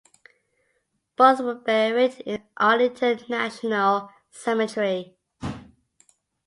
Both were buried in Arlington National Cemetery.